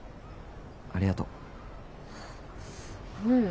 ありがとう。